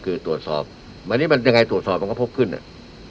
คือตรวจสอบวันนี้มันยังไงตรวจสอบมันก็พกขึ้นอ่ะ